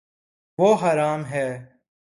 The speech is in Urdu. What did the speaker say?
وہ ہرا م ہے